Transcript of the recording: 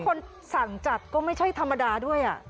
คนสั่งจัดก็ไม่ใช่ธรรมดาด้วย